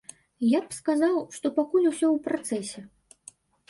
Я б сказаў, што пакуль усё ў працэсе.